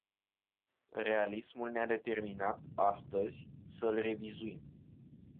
Realismul ne-a determinat, astăzi, să îl revizuim.